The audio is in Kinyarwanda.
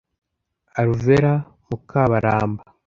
Alvera Mukabaramba